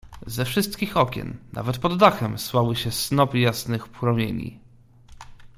"Ze wszystkich okien, nawet pod dachem, słały się snopy jasnych promieni."